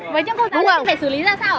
với những cô giáo này phải xử lý ra sao ạ bà